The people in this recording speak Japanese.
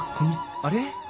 あれ？